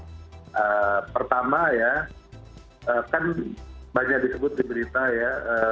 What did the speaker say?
karena pertama ya kan banyak disebut di berita ya